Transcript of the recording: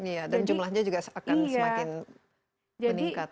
iya dan jumlahnya juga akan semakin meningkat